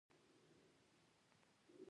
اشرافي به خپل مېلمه ته پوره بندوبست کاوه.